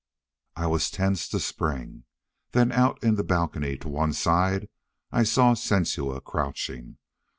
I was tense to spring. Then out in the balcony, to one side, I saw Sensua crouching.